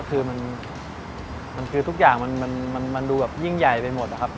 ก็คือทุกอย่างมันดูยิ่งใหญ่ไปหมดครับ